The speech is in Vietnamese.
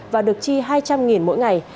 và được chi hai trăm linh đồng mỗi ngày